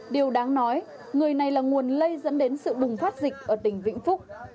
điều đáng nói người này là nguồn lây dẫn đến sự bùng phát dịch ở tỉnh vĩnh phúc